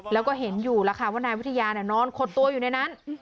แล้วก็เห็นอยู่แล้วค่ะว่านายวิทยานอนขดตัวอยู่ในนั้น